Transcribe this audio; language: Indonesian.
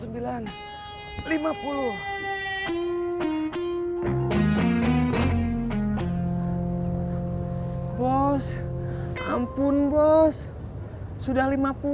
bos ampun bos sudah lima puluh